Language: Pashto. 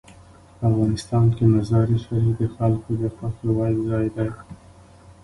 افغانستان کې مزارشریف د خلکو د خوښې وړ ځای دی.